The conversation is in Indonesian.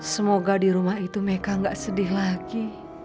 semoga di rumah itu mereka gak sedih lagi